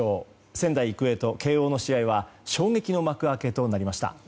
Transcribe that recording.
仙台育英と慶応の試合は衝撃の幕開けとなりました。